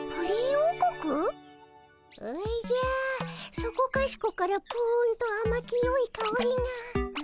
おじゃそこかしこからプンとあまきよいかおりが。